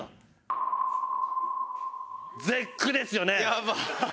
やばっ！